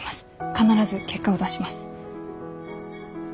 必ず結果を出します。